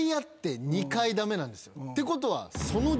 ってことは。